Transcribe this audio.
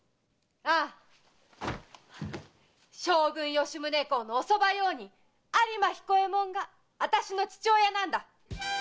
ああ将軍・吉宗公のお側用人・有馬彦右衛門があたしの父親なんだ。